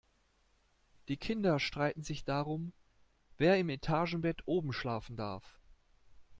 Die Kinder streiten sich darum, wer im Etagenbett oben schlafen darf.